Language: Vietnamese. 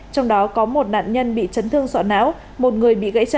trong đó có một nạn nhân bị chấn thương sọ náo